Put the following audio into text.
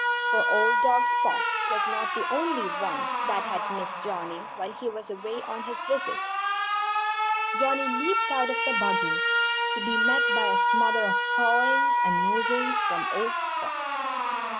For old dog Spot was not the only one that had missed Johnnie while he was away on his visit. Johnnie leaped out of the buggy, to be met by a smother of pawings and nosings from old Spot.